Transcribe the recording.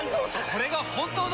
これが本当の。